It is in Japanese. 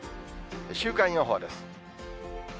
週間予報です。